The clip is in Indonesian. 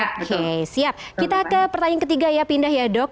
oke siap kita ke pertanyaan ketiga ya pindah ya dok